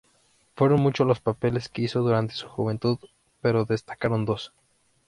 Fueron muchos los papeles que hizo durante su juventud, pero destacaron dos.